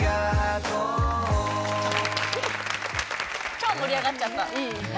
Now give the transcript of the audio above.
超盛り上がっちゃった。